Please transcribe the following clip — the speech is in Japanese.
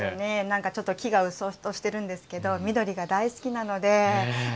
なんかちょっと木がうっそうとしてるんですけど緑が大好きなのでうん。